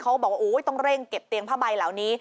เขาบอกว่าต้องเร่งเก็บเตียงผ้าใบเหล่านี้